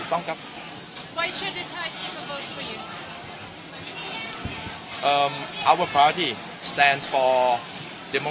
คุณคิดเรื่องนี้ได้ไหม